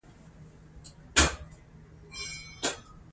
راځئ چې دا صداقت وساتو.